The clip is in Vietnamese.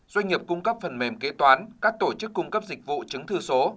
doanh nghiệp cung cấp phần mềm kế toán các tổ chức cung cấp dịch vụ chứng thư số